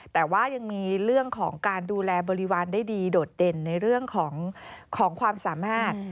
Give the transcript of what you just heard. แต่ว่ายังมีเรื่องของการดูแลบริวารได้ดีโดดเด่นในเรื่องของความสามารถ